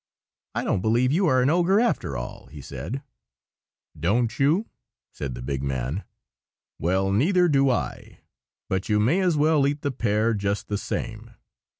"I don't believe you are an ogre, after all!" he said. "Don't you?" said the big man. "Well, neither do I! But you may as well eat the pear, just the same."